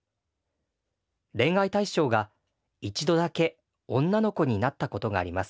恋愛対象が一度だけ女の子になったことがあります。